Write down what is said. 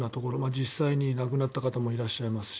実際に亡くなった方もいらっしゃいますし。